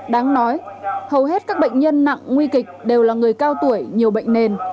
đáng nói hầu hết các bệnh nhân nặng nguy kịch đều là người cao tuổi nhiều bệnh nền